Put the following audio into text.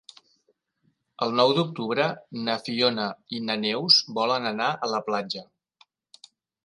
El nou d'octubre na Fiona i na Neus volen anar a la platja.